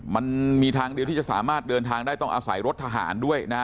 มันมีทางเดียวที่จะสามารถเดินทางได้ต้องอาศัยรถทหารด้วยนะฮะ